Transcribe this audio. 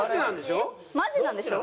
マジなんでしょ？